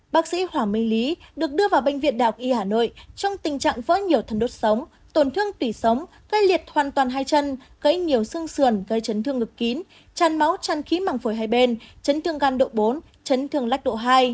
bác sĩ hoàng minh lý được đưa vào bệnh viện đạo y hà nội trong tình trạng vỡ nhiều thân đốt sống tổn thương tủy sống gây liệt hoàn toàn hai chân gây nhiều xương sườn gây chấn thương ngực kín chan máu chan khí mẳng phổi hai bên chấn thương gan độ bốn chấn thương lách độ hai